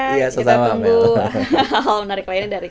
kita tunggu hal hal menarik lainnya dari